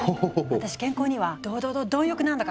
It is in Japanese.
私健康にはドドド貪欲なんだから。